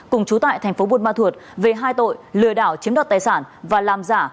cùng chú tại tp buôn ma thuột về hai tội lừa đảo chiếm đọt tài sản và làm giả